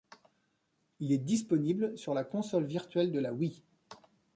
Il est disponible sur la console virtuelle de la Wii.